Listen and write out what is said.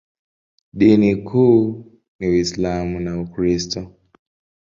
Dini kuu ni Uislamu na Ukristo.